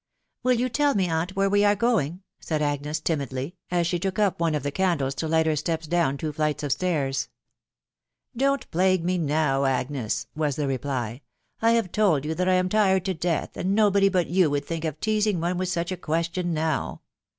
" Will you tell me, aunt, where we are going ?" said Agnes timidly, as she took up one of the candles to light her steps down two flights of stairs. " Don't plague me now, Agnes," was the reply ; t€ 1 have told you that 1 am tired to death, and nobody but yon would think of teazing one with such a question now.